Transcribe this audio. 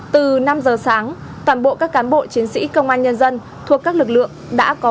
từ năm giờ sáng toàn bộ các cán bộ chiến sĩ công an nhân dân thuộc các lực lượng đã có thể diễn ra